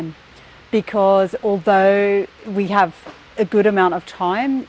karena meskipun kita memiliki waktu yang baik